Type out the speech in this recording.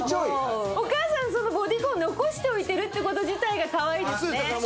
お母さんそのボディコン残しておいてるってこと自体がかわいいですね。